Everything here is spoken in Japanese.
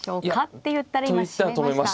って言ったら今閉めました。